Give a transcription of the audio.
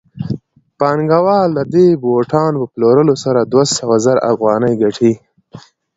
پانګوال د دې بوټانو په پلورلو سره دوه سوه زره افغانۍ ګټي